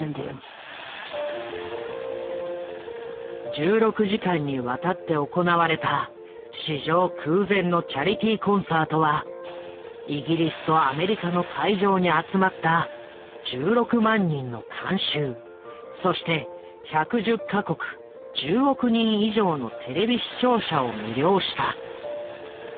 １６時間にわたって行われた史上空前のチャリティーコンサートはイギリスとアメリカの会場に集まった１６万人の観衆そして１１０か国１０億人以上のテレビ視聴者を魅了した。